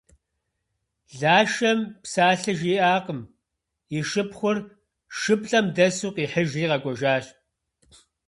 Лашэм псалъэ жиӏакъым, и шыпхъур шыплӏэм дэсу къихьыжри къэкӏуэжащ.